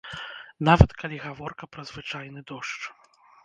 Нават калі гаворка пра звычайны дождж.